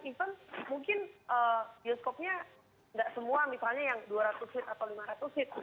even mungkin bioskopnya nggak semua misalnya yang dua ratus feet atau lima ratus feet